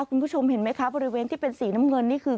คุณผู้ชมเห็นไหมคะบริเวณที่เป็นสีน้ำเงินนี่คือ